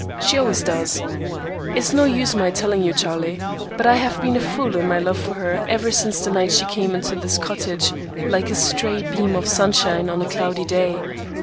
She always does. It's no use my telling you, Charlie, but I have been a fool in my love for her ever since the night she came into this cottage like a stray beam of sunshine on a cloudy day.